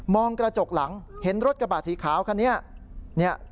มองกระจกหลังเห็นรถกระบาดสีขาวค่ะ